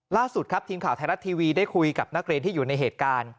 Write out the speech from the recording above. ล่าสุดครับทีมข่าวไทยรัฐทีวีได้คุยกับนักเรียนที่อยู่ในเหตุการณ์